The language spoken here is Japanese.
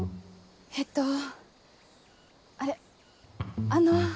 えっとあれあの。